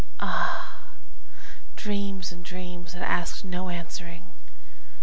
Ah, dreams and dreams that asked no answering!